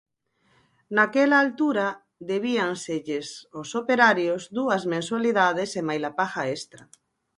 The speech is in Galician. Naquela altura, debíanselles aos operarios dúas mensualidades e máis a paga extra.